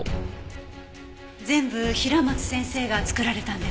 全部平松先生が作られたんですか？